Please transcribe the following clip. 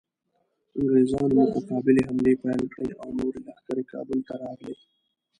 انګریزانو متقابلې حملې پیل کړې او نورې لښکرې کابل ته راغلې.